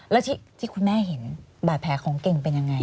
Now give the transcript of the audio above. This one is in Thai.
แล้วที่คุณแม่เห็นบาดแผลของเก่งเป็นยังไง